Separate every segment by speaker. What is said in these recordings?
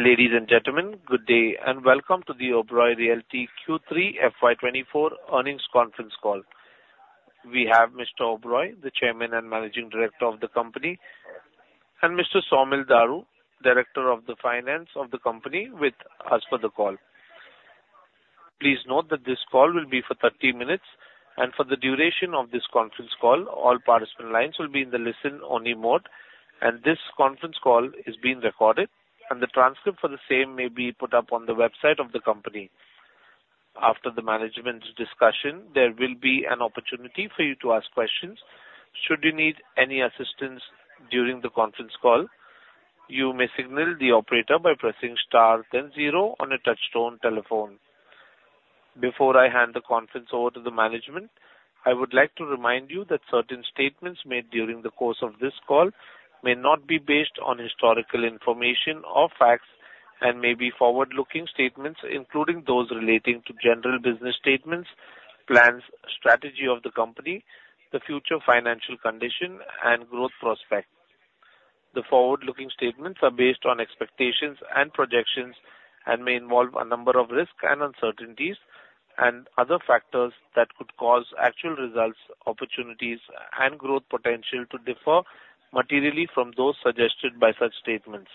Speaker 1: Ladies and gentlemen, good day, and welcome to the Oberoi Realty Q3 FY24 earnings conference call. We have Mr. Oberoi, the Chairman and Managing Director of the company, and Mr. Saumil Daru, Director of Finance of the company, with us for the call. Please note that this call will be for 30 minutes, and for the duration of this conference call, all participant lines will be in the listen-only mode, and this conference call is being recorded, and the transcript for the same may be put up on the website of the company. After the management's discussion, there will be an opportunity for you to ask questions. Should you need any assistance during the conference call, you may signal the operator by pressing star then zero on a touchtone telephone. Before I hand the conference over to the management, I would like to remind you that certain statements made during the course of this call may not be based on historical information or facts, and may be forward-looking statements, including those relating to general business statements, plans, strategy of the company, the future financial condition and growth prospects. The forward-looking statements are based on expectations and projections and may involve a number of risks and uncertainties, and other factors that could cause actual results, opportunities and growth potential to differ materially from those suggested by such statements.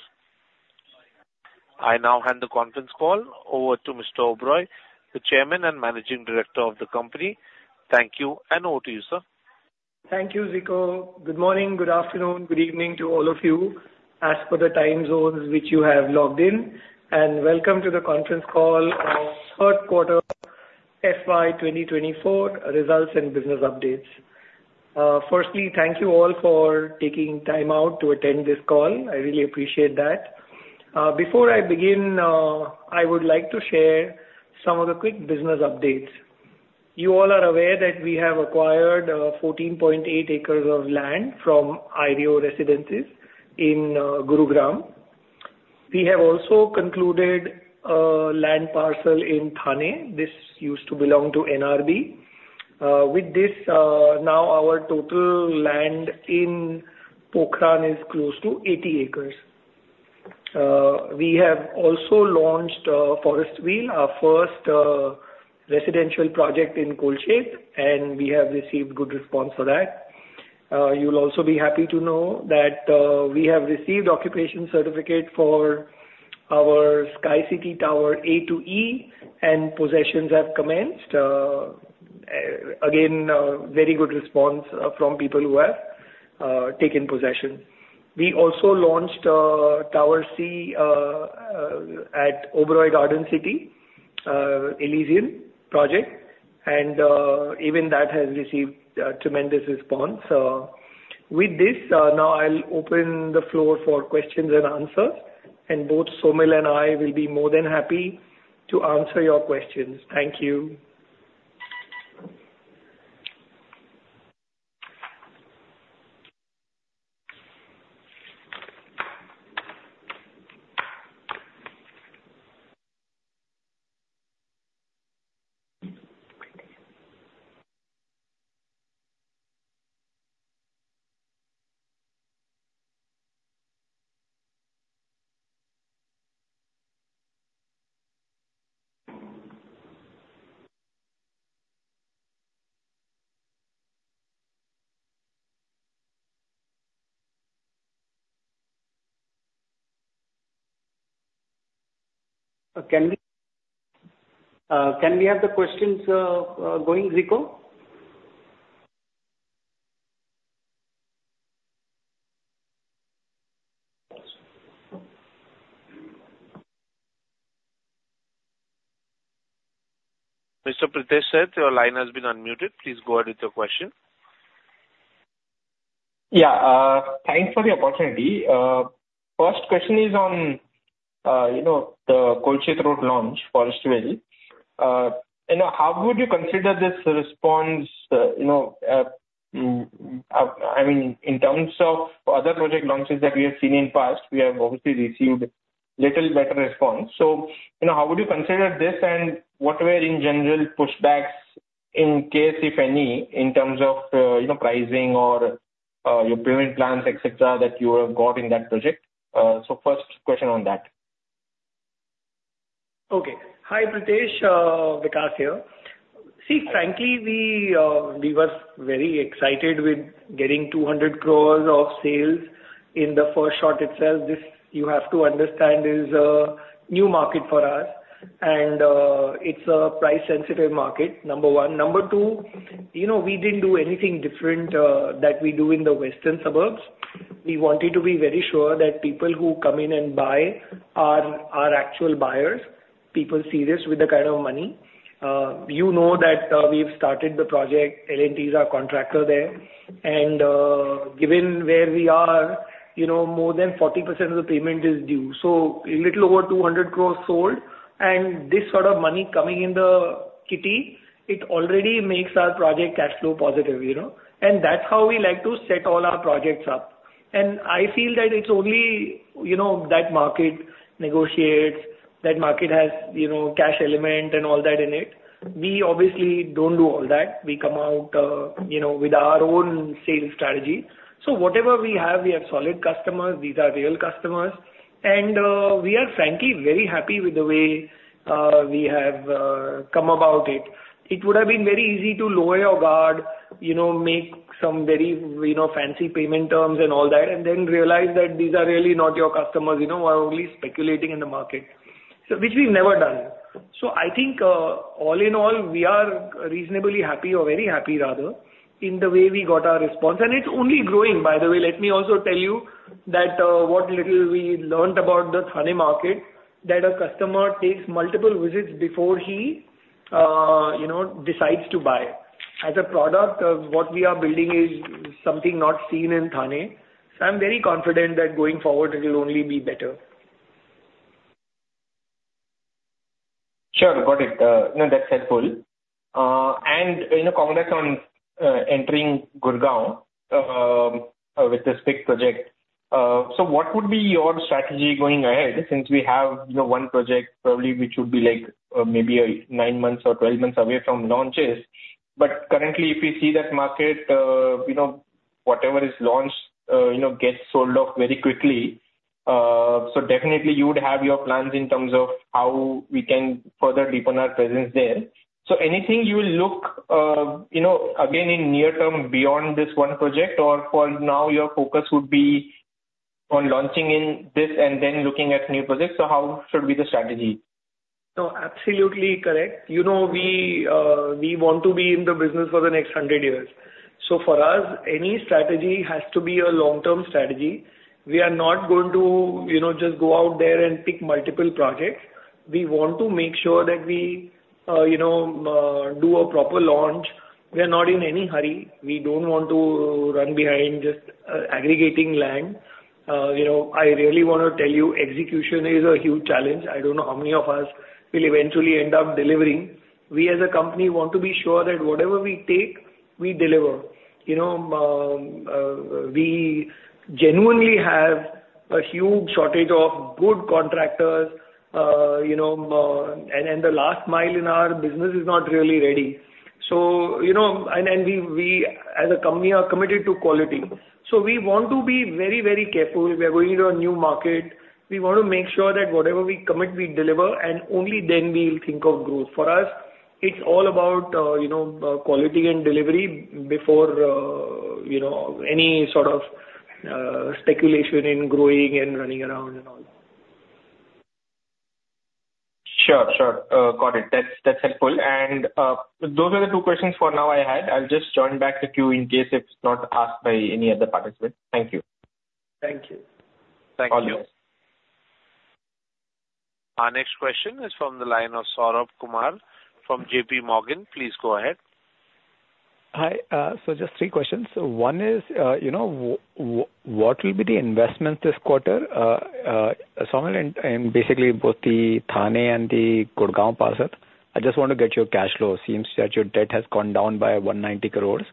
Speaker 1: I now hand the conference call over to Mr. Oberoi, the Chairman and Managing Director of the company. Thank you, and over to you, sir.
Speaker 2: Thank you, Ziko. Good morning, good afternoon, good evening to all of you as per the time zones which you have logged in, and welcome to the conference call of third quarter FY 2024 results and business updates. Firstly, thank you all for taking time out to attend this call. I really appreciate that. Before I begin, I would like to share some of the quick business updates. You all are aware that we have acquired 14.8 acres of land from IREO Residences in Gurugram. We have also concluded a land parcel in Thane. This used to belong to NRB. With this, now our total land in Pokhran is close to 80 acres. We have also launched Forestville, our first residential project in Kolshet, and we have received good response for that. You'll also be happy to know that we have received occupation certificate for our Sky City tower A to E, and possessions have commenced. Again, a very good response from people who have taken possession. We also launched tower C at Oberoi Garden City, Elysian project, and even that has received tremendous response. With this, now I'll open the floor for questions and answers, and both Saumil and I will be more than happy to answer your questions. Thank you. Can we have the questions going, Ziko?
Speaker 1: Mr. Pritesh Sheth, your line has been unmuted. Please go ahead with your question.
Speaker 3: Yeah, thanks for the opportunity. First question is on, you know, the Kolshet Road launch, Forestville. You know, how would you consider this response, you know, I mean, in terms of other project launches that we have seen in past, we have obviously received little better response. So, you know, how would you consider this, and what were in general pushbacks, in case if any, in terms of, you know, pricing or, your payment plans, et cetera, that you have got in that project? So first question on that.
Speaker 2: Okay. Hi, Pritesh, Vikas here. See, frankly, we were very excited with getting 200 crore of sales in the first shot itself. This, you have to understand, is a new market for us, and it's a price-sensitive market, number one. Number two, you know, we didn't do anything different that we do in the western suburbs. We wanted to be very sure that people who come in and buy are actual buyers, people serious with the kind of money. You know that we've started the project, L&T is our contractor there, and given where we are, you know, more than 40% of the payment is due. So, a little over 200 crore sold, and this sort of money coming in the kitty, it already makes our project cash flow positive, you know? That's how we like to set all our projects up. I feel that it's only, you know, that market negotiates. That market has, you know, cash element and all that in it. We obviously don't do all that. We come out, you know, with our own sales strategy. So whatever we have, we have solid customers, these are real customers, and, we are frankly very happy with the way, we have, come about it. It would have been very easy to lower your guard, you know, make some very, you know, fancy payment terms and all that, and then realize that these are really not your customers, you know, are only speculating in the market. So which we've never done. So I think, all in all, we are reasonably happy or very happy rather, in the way we got our response. It's only growing, by the way. Let me also tell you that what little we learned about the Thane market, that a customer takes multiple visits before he, you know, decides to buy. As a product, what we are building is something not seen in Thane. I'm very confident that going forward, it will only be better.
Speaker 3: Sure. Got it. No, that's helpful. And, you know, congrats on entering Gurugram with this big project. So what would be your strategy going ahead, since we have, you know, one project probably which would be like, maybe, nine months or 12 months away from launches? But currently, if you see that market, you know, whatever is launched, you know, gets sold off very quickly. So definitely you would have your plans in terms of how we can further deepen our presence there. So anything you will look, you know, again, in near term beyond this one project, or for now, your focus would be on launching in this and then looking at new projects? So how should be the strategy?
Speaker 2: No, absolutely correct. You know, we, we want to be in the business for the next 100 years. So for us, any strategy has to be a long-term strategy. We are not going to, you know, just go out there and pick multiple projects. We want to make sure that we, you know, do a proper launch. We are not in any hurry. We don't want to run behind just, aggregating land. You know, I really want to tell you, execution is a huge challenge. I don't know how many of us will eventually end up delivering. We, as a company, want to be sure that whatever we take, we deliver. You know, we genuinely have a huge shortage of good contractors, you know, and, and the last mile in our business is not really ready. You know, we as a company are committed to quality. So we want to be very, very careful if we are going to a new market. We want to make sure that whatever we commit, we deliver, and only then we'll think of growth. For us, it's all about, you know, quality and delivery before, you know, any sort of speculation in growing and running around and all.
Speaker 3: Sure, sure. Got it. That's, that's helpful. Those are the two questions for now I had. I'll just join back the queue in case it's not asked by any other participant. Thank you.
Speaker 2: Thank you.
Speaker 1: Thank you.
Speaker 3: All the best.
Speaker 1: Our next question is from the line of Saurabh Kumar from JP Morgan. Please go ahead.
Speaker 4: Hi. So, just three questions. One is, you know, what will be the investment this quarter, Saurabh, and basically both the Thane and the Gurgaon parcel? I just want to get your cash flow. It seems that your debt has gone down by 190 crores.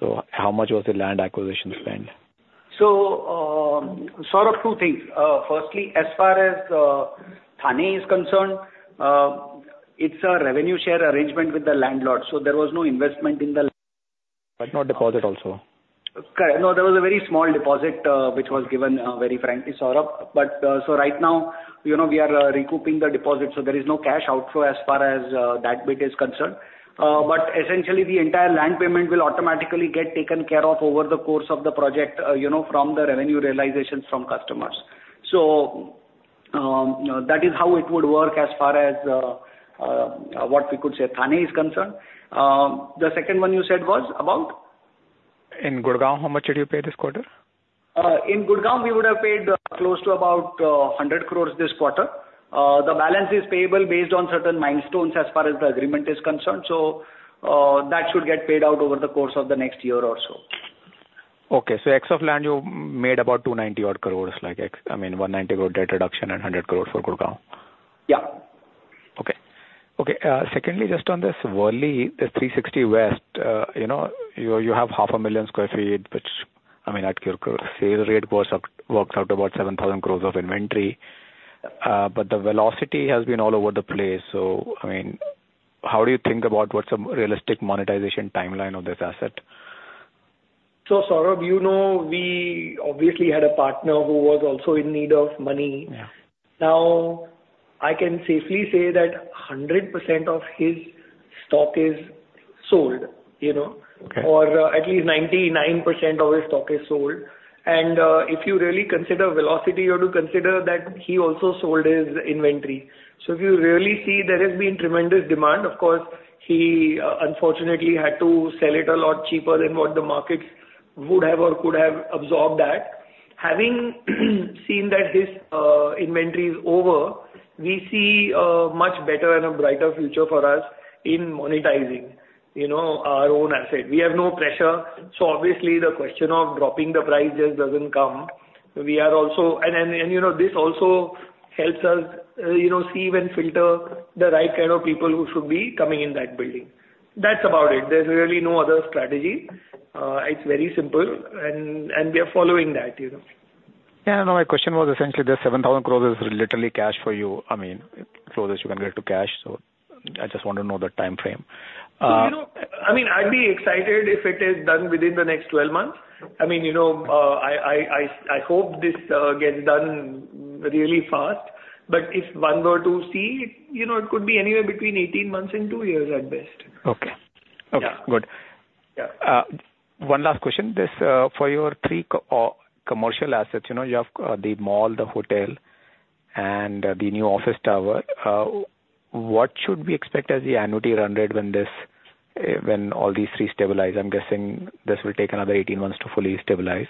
Speaker 4: So how much was the land acquisition spend?
Speaker 2: Saurabh, two things. Firstly, as far as Thane is concerned, it's a revenue share arrangement with the landlord, so there was no investment in the--
Speaker 4: But not deposit also?
Speaker 2: Correct. No, there was a very small deposit, which was given, very frankly, Saurabh. But, so right now, you know, we are recouping the deposit, so there is no cash outflow as far as that bit is concerned. But essentially, the entire land payment will automatically get taken care of over the course of the project, you know, from the revenue realizations from customers. So, that is how it would work as far as what we could say Thane is concerned. The second one you said was about?
Speaker 4: In Gurugram, how much did you pay this quarter?
Speaker 2: In Gurugram, we would have paid close to about 100 crore this quarter. The balance is payable based on certain milestones as far as the agreement is concerned, so that should get paid out over the course of the next year or so.
Speaker 4: Okay, so sale of land, you made about 290-odd crore like, I mean, 190 crore debt reduction and 100 crore for Gurgaon.
Speaker 2: Yeah.
Speaker 4: Okay. Okay, secondly, just on this Worli, the 360 West, you know, you, you have 500,000 sq ft, which, I mean, at your sales rate works out, works out to about 7,000 crore of inventory. But the velocity has been all over the place. So, I mean, how do you think about what's a realistic monetization timeline of this asset?
Speaker 2: So, Saurabh, you know, we obviously had a partner who was also in need of money.
Speaker 4: Yeah.
Speaker 2: Now, I can safely say that 100% of his stock is sold, you know?
Speaker 4: Okay.
Speaker 2: Or at least 99% of his stock is sold. And, if you really consider velocity, you have to consider that he also sold his inventory. So, if you really see, there has been tremendous demand. Of course, he, unfortunately, had to sell it a lot cheaper than what the market would have or could have absorbed that. Having seen that his, inventory is over, we see a much better and a brighter future for us in monetizing, you know, our own asset. We have no pressure, so obviously the question of dropping the prices doesn't come. We are also... And, you know, this also helps us, you know, sieve and filter the right kind of people who should be coming in that building. That's about it. There's really no other strategy. It's very simple, and we are following that, you know?
Speaker 4: Yeah, I know. My question was essentially, the 7,000 crore is literally cash for you. I mean, crores that you can get to cash, so I just want to know the timeframe.
Speaker 2: You know, I mean, I'd be excited if it is done within the next 12 months. I mean, you know, I hope this gets done really fast, but if one were to see, you know, it could be anywhere between 18 months and 2 years at best.
Speaker 4: Okay.
Speaker 2: Yeah.
Speaker 4: Okay, good.
Speaker 2: Yeah.
Speaker 4: One last question. This, for your three co- or commercial assets, you know, you have the mall, the hotel, and the new office tower. What should we expect as the annuity run rate when this, when all these three stabilize? I'm guessing this will take another 18 months to fully stabilize.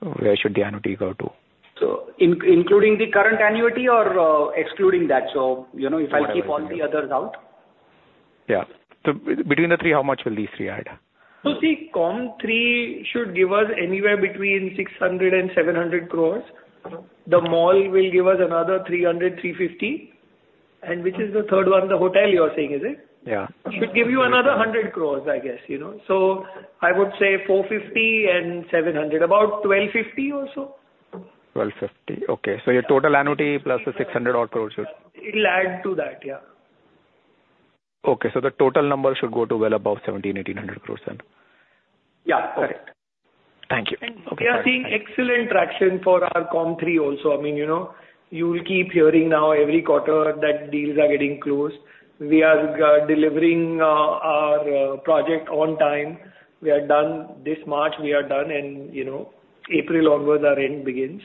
Speaker 4: Where should the annuity go to?
Speaker 2: So, including the current annuity or excluding that? So, you know, if I keep all the others out?
Speaker 4: Yeah. So between the three, how much will these three add?
Speaker 2: So the Commerz III should give us anywhere between 600-700 crores. The mall will give us another 300-350. And which is the third one? The hotel, you're saying, is it?
Speaker 4: Yeah.
Speaker 2: Should give you another 100 crore, I guess, you know. So I would say 450 crore and 700 crore, about 1,250 crore or so.
Speaker 4: 1,250, okay. So your total annuity plus the 600-odd crores should-
Speaker 2: It'll add to that. Yeah.
Speaker 4: Okay, so the total number should go to well above 1,700-1,800 crores then?
Speaker 2: Yeah, correct.
Speaker 4: Thank you. Okay.
Speaker 2: We are seeing excellent traction for our Commerz III also. I mean, you know, you will keep hearing now every quarter that deals are getting closed. We are delivering our project on time. We are done this March. We are done in, you know, April onwards, our end begins.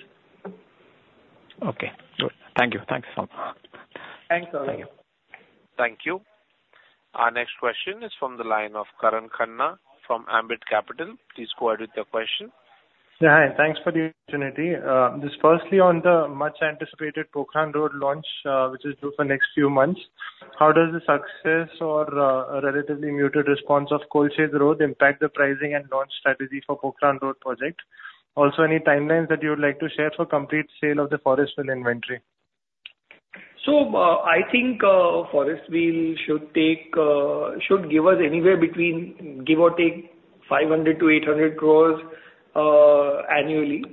Speaker 4: Okay, good. Thank you. Thanks a lot.
Speaker 2: Thanks a lot.
Speaker 4: Thank you.
Speaker 1: Thank you. Our next question is from the line of Karan Khanna from Ambit Capital. Please go ahead with your question.
Speaker 5: Yeah, hi. Thanks for the opportunity. Just firstly, on the much-anticipated Pokhran Road launch, which is due for next few months, how does the success or relatively muted response of Kolshet Road impact the pricing and launch strategy for Pokhran Road project? also, any timelines that you would like to share for complete sale of the Forestville inventory?
Speaker 2: So, I think, Forestville should take, should give us anywhere between, give or take, 500 crore-800 crore, annually.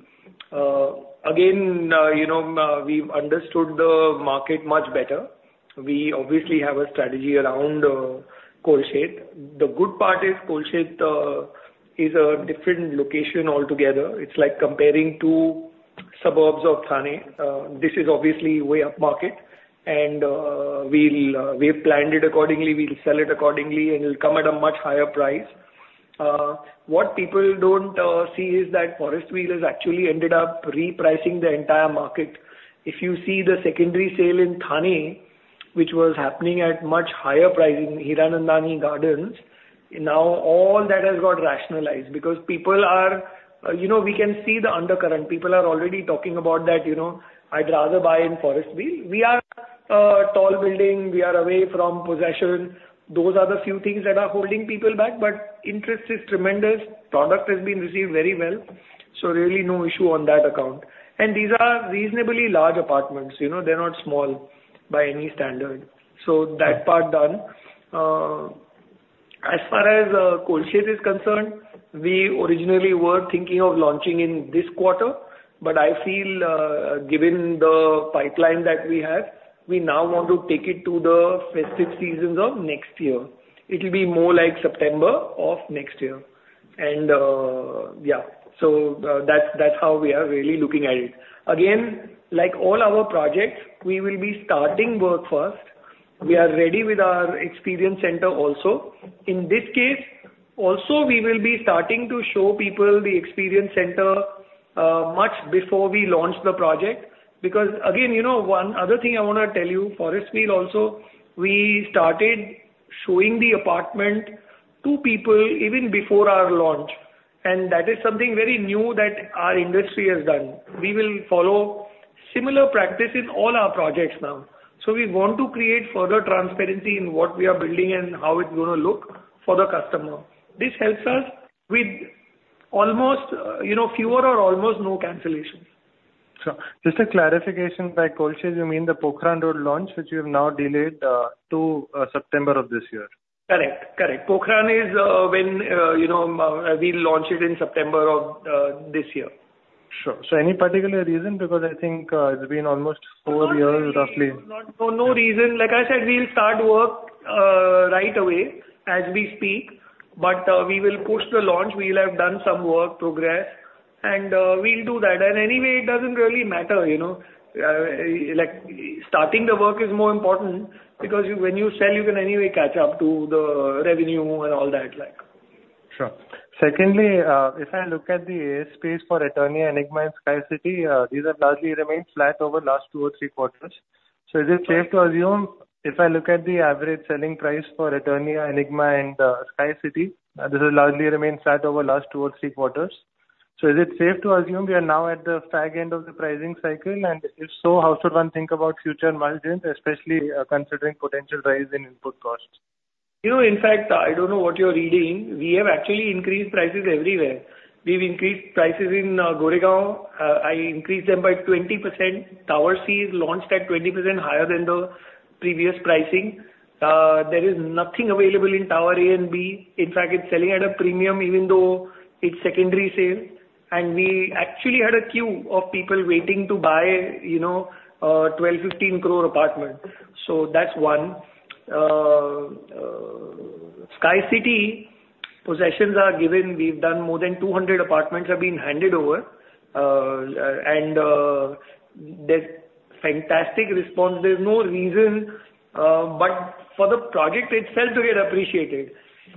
Speaker 2: Again, you know, we've understood the market much better. We obviously have a strategy around Kolshet. The good part is, Kolshet, is a different location altogether. It's like comparing two suburbs of Thane. This is obviously way upmarket, and, we'll, we've planned it accordingly, we'll sell it accordingly, and it'll come at a much higher price. What people don't, see is that Forestville has actually ended up repricing the entire market. If you see the secondary sale in Thane, which was happening at much higher price in Hiranandani Gardens, now all that has got rationalized because people are You know, we can see the undercurrent. People are already talking about that, you know, "I'd rather buy in Forestville." We are a tall building. We are away from possession. Those are the few things that are holding people back, but interest is tremendous. Product has been received very well, so really no issue on that account. And these are reasonably large apartments, you know, they're not small by any standard. So that part, done. As far as Kolshet is concerned, we originally were thinking of launching in this quarter, but I feel, given the pipeline that we have, we now want to take it to the festive seasons of next year. It'll be more like September of next year. And, yeah, so, that's how we are really looking at it. Again, like all our projects, we will be starting work first. We are ready with our experience center also. In this case, also, we will be starting to show people the experience center much before we launch the project. Because, again, you know, one other thing I want to tell you, Forestville also, we started showing the apartment to people even before our launch, and that is something very new that our industry has done. We will follow similar practice in all our projects now. So we want to create further transparency in what we are building and how it's going to look for the customer. This helps us with almost, you know, fewer or almost no cancellations.
Speaker 5: Sure. Just a clarification, by Kolshet, you mean the Pokhran Road launch, which you have now delayed to September of this year?
Speaker 2: Correct, correct. Pokhran is, when, you know, we'll launch it in September of this year.
Speaker 5: Sure. So any particular reason? Because I think, it's been almost four years, roughly.
Speaker 2: No, no reason. Like I said, we'll start work right away, as we speak, but we will push the launch. We'll have done some work progress, and we'll do that. And anyway, it doesn't really matter, you know. Like, starting the work is more important, because you, when you sell, you can anyway catch up to the revenue and all that, like.
Speaker 5: Sure. Secondly, if I look at the AISpace for Eternia, Enigma and Sky City, these have largely remained flat over last two or three quarters. So is it safe to assume, if I look at the average selling price for Eternia, Enigma and, Sky City, this will largely remain flat over last two or three quarters. So is it safe to assume we are now at the fag end of the pricing cycle? And if so, how should one think about future margins, especially, considering potential rise in input costs?
Speaker 2: You know, in fact, I don't know what you're reading. We have actually increased prices everywhere. We've increased prices in Goregaon. I increased them by 20%. Tower C is launched at 20% higher than the previous pricing. There is nothing available in Tower A and B. In fact, it's selling at a premium, even though it's secondary sale. And we actually had a queue of people waiting to buy, you know, 12-15 crore apartment. So that's one. Sky City, possessions are given. We've done more than 200 apartments have been handed over, and there's fantastic response. There's no reason but for the project itself to get appreciated.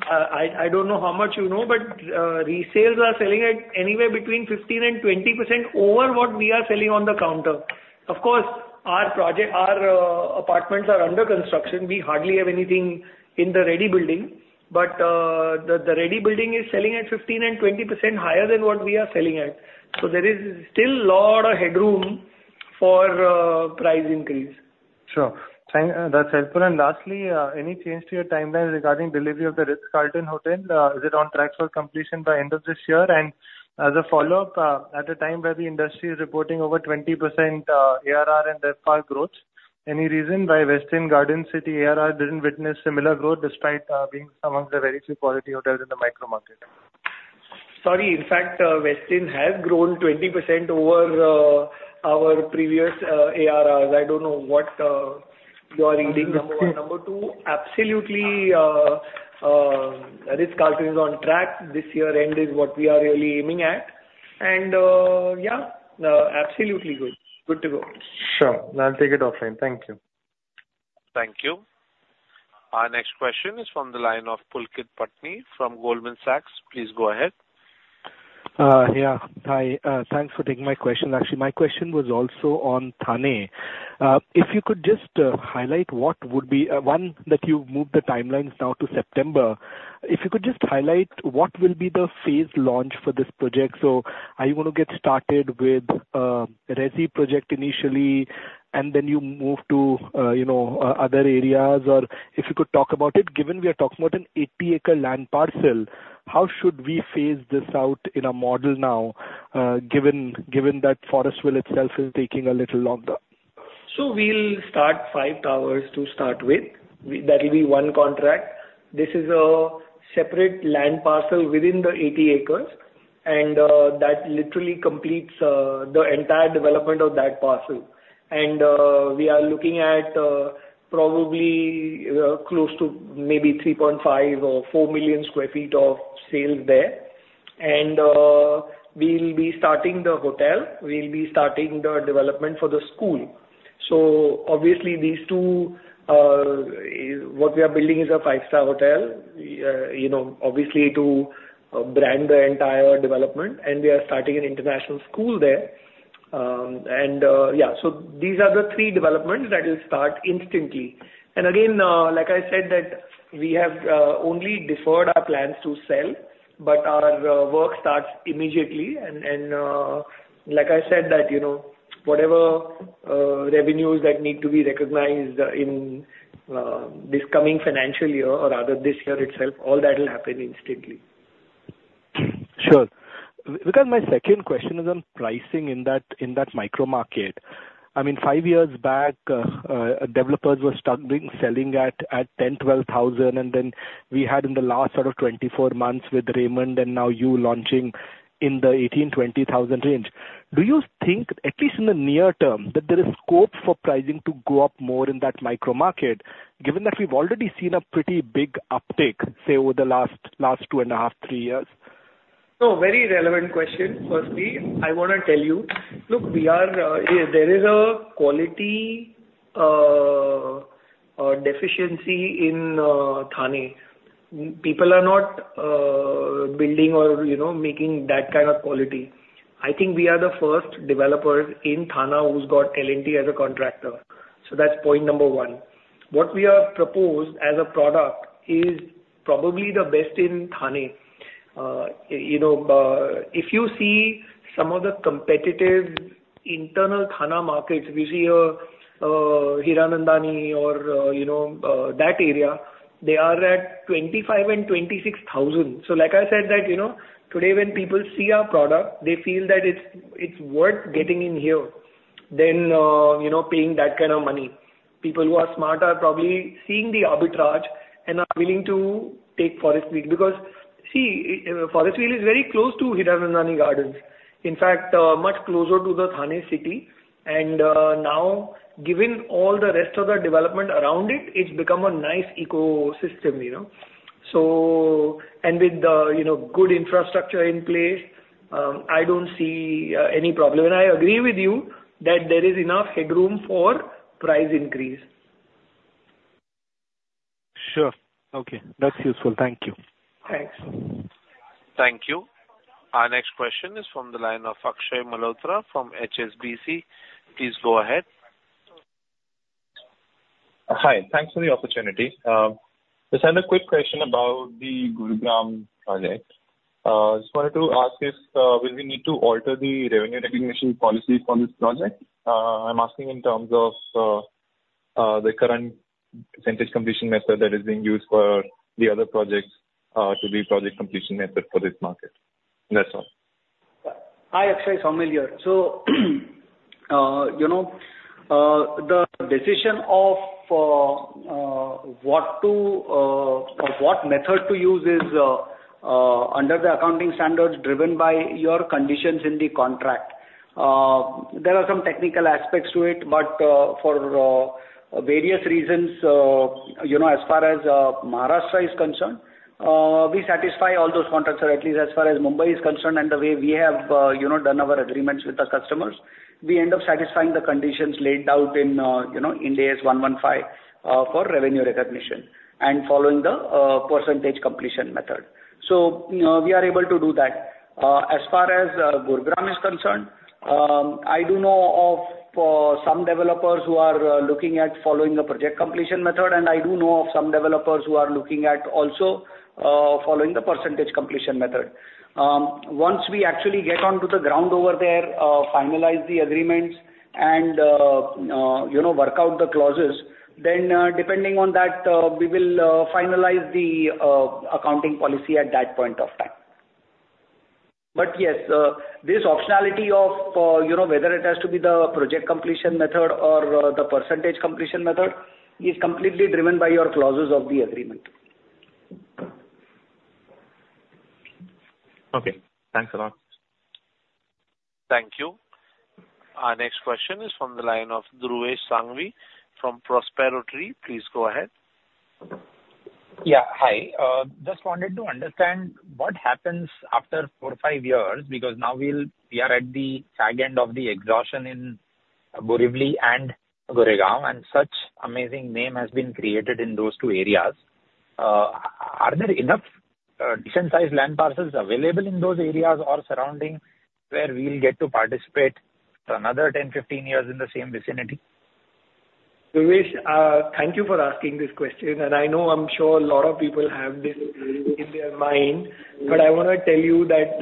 Speaker 2: I don't know how much you know, but resales are selling at anywhere between 15%-20% over what we are selling on the counter. Of course, our project, our apartments are under construction. We hardly have anything in the ready building, but the ready building is selling at 15% and 20% higher than what we are selling at. So there is still lot of headroom for price increase.
Speaker 5: Sure. Thanks, that's helpful. And lastly, any change to your timeline regarding delivery of the Ritz-Carlton Hotel? Is it on track for completion by end of this year? And as a follow-up, at a time where the industry is reporting over 20%, ARR and RevPAR growth, any reason why Westin Garden City ARR didn't witness similar growth, despite being some of the very few quality hotels in the micro market?
Speaker 2: Sorry. In fact, Westin has grown 20% over our previous ARRs. I don't know what you are reading, number one.
Speaker 5: Okay.
Speaker 2: Number two, absolutely, Ritz-Carlton is on track. This year end is what we are really aiming at, and, yeah, absolutely good. Good to go.
Speaker 5: Sure. I'll take it offline. Thank you.
Speaker 1: Thank you. Our next question is from the line of Pulkit Patni from Goldman Sachs. Please go ahead.
Speaker 6: Yeah. Hi, thanks for taking my question. Actually, my question was also on Thane. If you could just highlight what would be, that you've moved the timelines now to September. If you could just highlight what will be the phase launch for this project. So are you gonna get started with resi project initially, and then you move to you know other areas? Or if you could talk about it, given we are talking about an 80-acre land parcel, how should we phase this out in a model now, given that Forestville itself is taking a little longer?
Speaker 2: So we'll start 5 towers to start with. That will be one contract. This is a separate land parcel within the 80 acres, and that literally completes the entire development of that parcel. And we are looking at probably close to maybe 3.5-4 million sq ft of sales there. And we'll be starting the hotel, we'll be starting the development for the school. So obviously, these two is... What we are building is a 5-star hotel, you know, obviously to brand the entire development, and we are starting an international school there. And yeah, so these are the three developments that will start instantly. And again, like I said, that we have only deferred our plans to sell, but our work starts immediately. Like I said, that, you know, whatever revenues that need to be recognized in this coming financial year, or rather this year itself, all that will happen instantly.
Speaker 6: Sure. Because my second question is on pricing in that, in that micro market. I mean, 5 years back, developers were struggling, selling at 10,000-12,000, and then we had in the last sort of 24 months with Raymond, and now you launching in the 18,000-20,000 range. Do you think, at least in the near term, that there is scope for pricing to go up more in that micro market, given that we've already seen a pretty big uptick, say, over the last 2.5-3 years?
Speaker 2: Very relevant question. Firstly, I wanna tell you, look, we are, there is a quality deficiency in Thane. People are not building or, you know, making that kind of quality. I think we are the first developer in Thane who's got L&T as a contractor. So that's point number one. What we have proposed as a product is probably the best in Thane. You know, if you see some of the competitive internal Thane markets, we see Hiranandani or, you know, that area, they are at 25,000-26,000. So like I said that, you know, today when people see our product, they feel that it's worth getting in here, than, you know, paying that kind of money. People who are smart are probably seeing the arbitrage and are willing to take Forestville. Because, see, Forestville is very close to Hiranandani Gardens, in fact, much closer to the Thane city. And now, given all the rest of the development around it, it's become a nice ecosystem, you know? So... And with the, you know, good infrastructure in place, I don't see any problem. And I agree with you that there is enough headroom for price increase.
Speaker 6: Sure. Okay, that's useful. Thank you.
Speaker 2: Thanks.
Speaker 1: Thank you. Our next question is from the line of Akshay Malhotra from HSBC. Please go ahead.
Speaker 7: Hi. Thanks for the opportunity. Just had a quick question about the Gurugram project. Just wanted to ask, will we need to alter the revenue recognition policy for this project? I'm asking in terms of the current percentage completion method that is being used for the other projects to the project completion method for this market. That's all.
Speaker 2: Hi, Akshay, it's Anil here. So, you know, the decision of what to or what method to use is under the accounting standards driven by your conditions in the contract. There are some technical aspects to it, but for various reasons, you know, as far as Maharashtra is concerned, we satisfy all those contracts, or at least as far as Mumbai is concerned, and the way we have, you know, done our agreements with the customers. We end up satisfying the conditions laid out in, you know, Ind AS 115 for revenue recognition, and following the percentage completion method. So, you know, we are able to do that. As far as Gurgaon is concerned, I do know of some developers who are looking at following the project completion method, and I do know of some developers who are looking at also following the percentage completion method. Once we actually get onto the ground over there, finalize the agreements and, you know, work out the clauses, then, depending on that, we will finalize the accounting policy at that point of time. But yes, this optionality of, you know, whether it has to be the project completion method or the percentage completion method, is completely driven by your clauses of the agreement.
Speaker 7: Okay, thanks a lot.
Speaker 1: Thank you. Our next question is from the line of Dhruvesh Sanghvi from Prospero Tree. Please go ahead.
Speaker 8: Yeah, hi. Just wanted to understand what happens after 4, 5 years, because now we are at the fag end of the exhaustion in Borivali and Gurugram, and such amazing name has been created in those two areas. Are there enough decent sized land parcels available in those areas or surrounding, where we'll get to participate for another 10, 15 years in the same vicinity?
Speaker 2: Durvesh, thank you for asking this question, and I know, I'm sure a lot of people have this in their mind. But I want to tell you that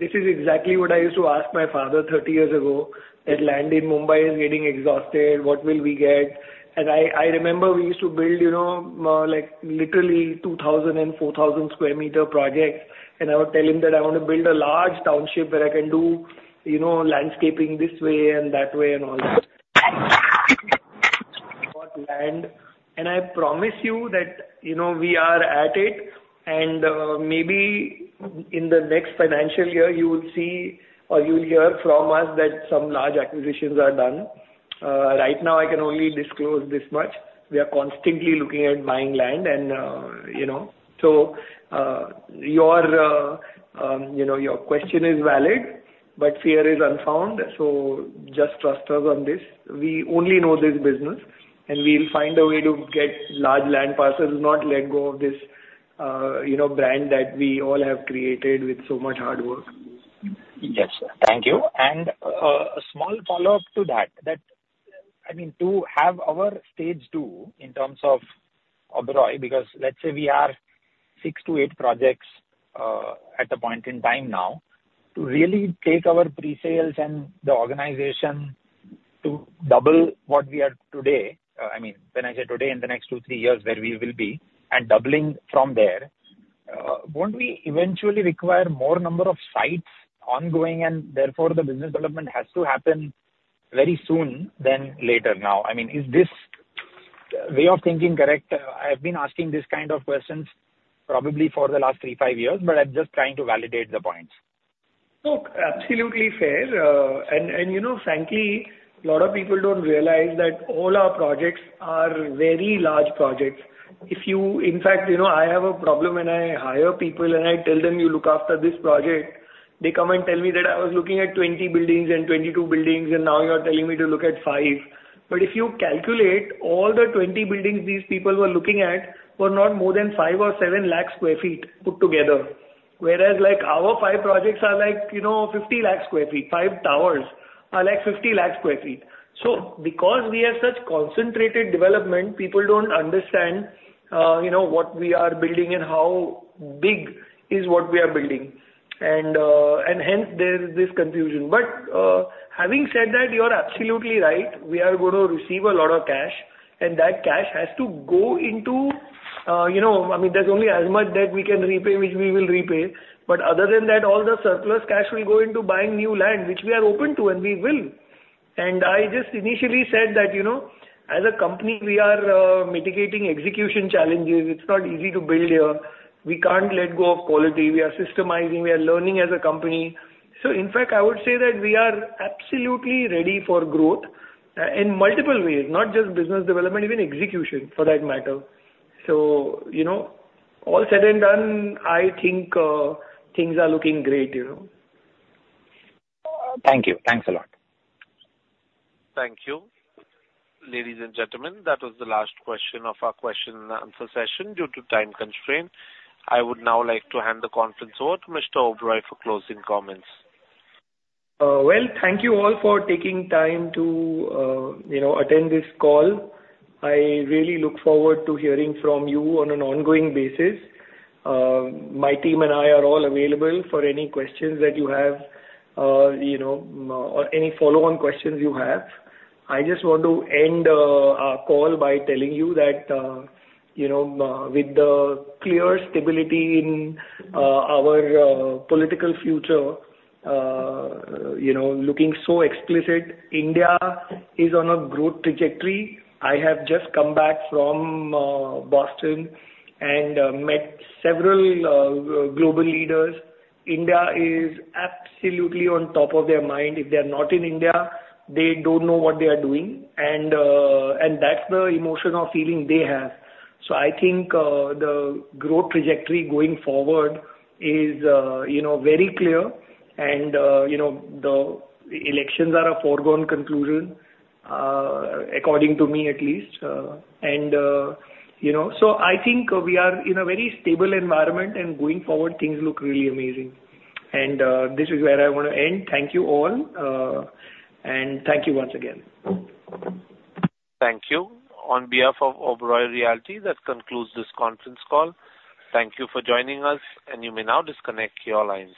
Speaker 2: this is exactly what I used to ask my father 30 years ago, that land in Mumbai is getting exhausted, what will we get? And I remember we used to build, you know, like literally 2,000- and 4,000-sq m projects, and I would tell him that I want to build a large township where I can do, you know, landscaping this way and that way, and all that. Got land, and I promise you that, you know, we are at it, and maybe in the next financial year, you will see or you'll hear from us that some large acquisitions are done. Right now, I can only disclose this much: We are constantly looking at buying land and, you know. So, your, you know, your question is valid, but fear is unfounded, so just trust us on this. We only know this business, and we'll find a way to get large land parcels, not let go of this, you know, brand that we all have created with so much hard work.
Speaker 8: Yes, thank you. And a small follow-up to that, I mean, to have our stage two in terms of Oberoi, because let's say we are 6-8 projects at the point in time now. To really take our pre-sales and the organization to double what we are today, I mean, when I say today, in the next 2-3 years, where we will be, and doubling from there, won't we eventually require more number of sites ongoing, and therefore, the business development has to happen very soon than later now? I mean, is this way of thinking correct? I've been asking these kind of questions probably for the last 3-5 years, but I'm just trying to validate the points.
Speaker 2: Look, absolutely fair. And, you know, frankly, a lot of people don't realize that all our projects are very large projects. If you... in fact, you know, I have a problem when I hire people, and I tell them, "You look after this project," they come and tell me that I was looking at 20 buildings and 22 buildings, and now you're telling me to look at 5. But if you calculate, all the 20 buildings these people were looking at, were not more than 5 or 7 lakh sq ft put together. Whereas, like, our 5 projects are like, you know, 50 lakh sq ft, 5 towers are like 50 lakh sq ft. So because we have such concentrated development, people don't understand, you know, what we are building and how big is what we are building. And hence there is this confusion. But, having said that, you're absolutely right, we are going to receive a lot of cash, and that cash has to go into, you know, I mean, there's only as much debt we can repay, which we will repay. But other than that, all the surplus cash will go into buying new land, which we are open to, and we will. And I just initially said that, you know, as a company, we are mitigating execution challenges. It's not easy to build here. We can't let go of quality. We are systemizing, we are learning as a company. So in fact, I would say that we are absolutely ready for growth, in multiple ways, not just business development, even execution, for that matter. So, you know, all said and done, I think, things are looking great, you know?
Speaker 8: Thank you. Thanks a lot.
Speaker 1: Thank you. Ladies and gentlemen, that was the last question of our question and answer session due to time constraint. I would now like to hand the conference over to Mr. Oberoi for closing comments.
Speaker 2: Well, thank you all for taking time to, you know, attend this call. I really look forward to hearing from you on an ongoing basis. My team and I are all available for any questions that you have, you know, or any follow-on questions you have. I just want to end our call by telling you that, you know, with the clear stability in our political future, you know, looking so explicit, India is on a growth trajectory. I have just come back from Boston and met several global leaders. India is absolutely on top of their mind. If they're not in India, they don't know what they are doing, and that's the emotional feeling they have. I think, the growth trajectory going forward is, you know, very clear, and, you know, the elections are a foregone conclusion, according to me at least. You know, so I think we are in a very stable environment, and going forward, things look really amazing. This is where I want to end. Thank you all, and thank you once again.
Speaker 1: Thank you. On behalf of Oberoi Realty, that concludes this conference call. Thank you for joining us, and you may now disconnect your lines.